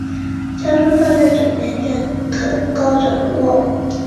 说只要放在枕边，便可高枕而卧